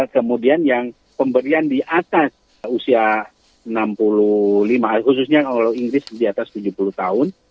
kemudian yang pemberian di atas usia enam puluh lima khususnya inggris di atas tujuh puluh tahun